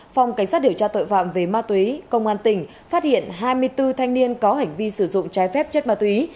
phòng cảnh sát điều tra tội phạm về ma túy công an tỉnh phát hiện hai mươi bốn thanh niên có hành vi sử dụng trái phép chất ma túy